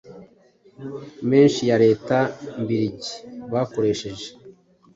menshi ya Leta mbiligi bakoresheje.